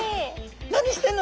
「何してんの？